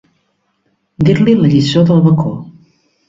Dir-li la lliçó del bacó.